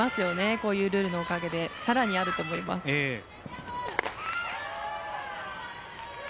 こういうルールのおかげでさらにあると思います。